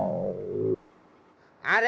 あれ？